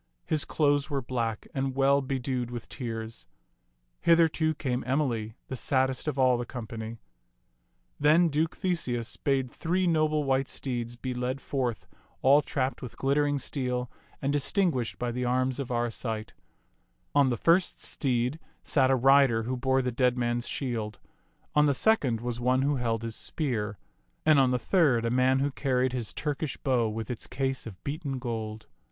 His clothes were black and well bedewed with tears. Hither, too, came Emily, the saddest of all the company. Then Duke Theseus bade three noble white steeds be led forth all trapped with glittering steel and distinguished by the arms of Arcite. On the first steed sat a rider who bore the dead man's shield; on the second was one who held his spear; and on the third a man who carried his Turkish bow with its case of beaten gold.